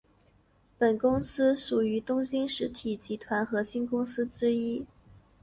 本公司属于东宝实业集团核心公司之一。